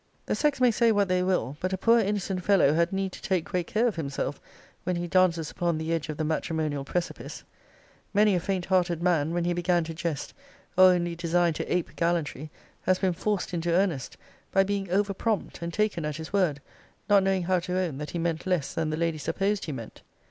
The sex may say what they will, but a poor innocent fellow had need to take great care of himself, when he dances upon the edge of the matrimonial precipice. Many a faint hearted man, when he began to jest, or only designed to ape gallantry, has been forced into earnest, by being over prompt, and taken at his word, not knowing how to own that he meant less than the lady supposed he meant.